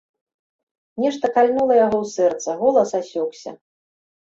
Нешта кальнула яго ў сэрца, голас асекся.